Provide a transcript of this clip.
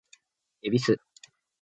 恵比寿